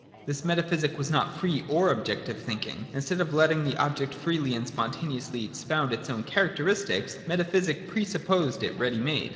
This metaphysic was not free or objective thinking. In stead of letting the object freely and spontaneously expound its own characteristics, metaphysic pre supposed it ready made.